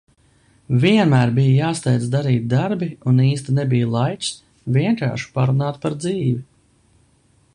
Vienmēr bija jāsteidz darīt darbi un īsti nebija laiks vienkārši parunāt par dzīvi.